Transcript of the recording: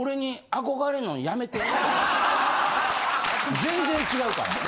全然違うから。